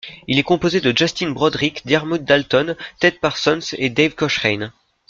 Il est composé de Justin Broadrick, Diarmuid Dalton, Ted Parsons, et Dave Cochrane.